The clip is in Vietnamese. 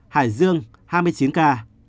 hải dương hai mươi chín ca